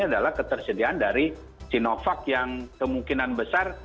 adalah ketersediaan dari sinovac yang kemungkinan besar